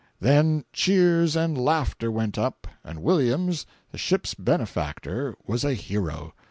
Then cheers and laughter went up, and Williams, the ship's benefactor was a hero.